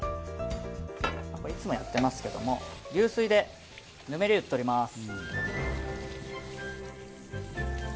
これ、いつもやってますけども流水でぬめりを取ります。